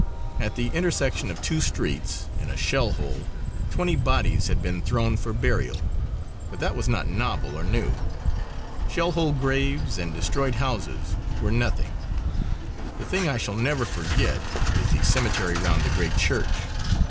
At the intersection of two streets, in a shell hole, twenty bodies had been thrown for burial. But that was not novel or new. Shell hole graves and destroyed houses were nothing. The thing I shall never forget is the cemetery round the great church.